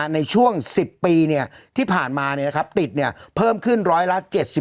ในช่วง๑๐ปีเนี่ยที่ผ่านมาเนี่ยนะครับติดเนี่ยเพิ่มขึ้นร้อยละ๗๖